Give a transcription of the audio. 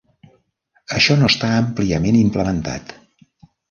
Això no està àmpliament implementat.